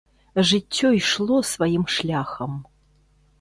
Жыццё ішло сваім шляхам.